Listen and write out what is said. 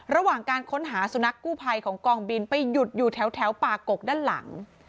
ระหว่างการค้นหาสุนัขกู้ภัยของกองบินไปหยุดอยู่แถวปากกกด้านหลัง